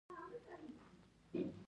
حیوانات د انسان ملګري دي.